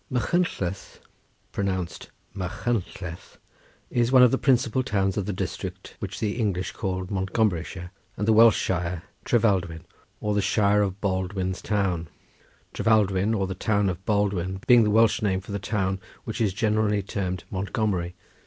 Machynlleth, pronounced Machuncleth, is one of the principal towns of the district which the English call Montgomeryshire, and the Welsh Shire Trefaldwyn, or the Shire of Baldwin's town; Trefaldwyn, or the town of Baldwin, being the Welsh name for the town which is generally termed Montgomery.